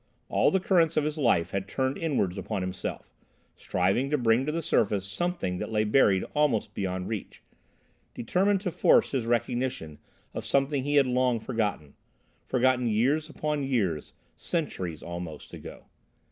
All the currents of his life had turned inwards upon himself, striving to bring to the surface something that lay buried almost beyond reach, determined to force his recognition of something he had long forgotten—forgotten years upon years, centuries almost ago.